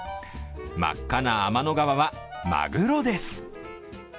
真っ赤な天の川はマグロです。